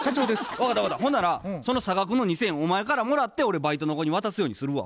分かった分かったほんならその差額の２，０００円お前からもらって俺バイトの子に渡すようにするわ。